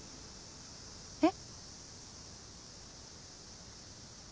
えっ？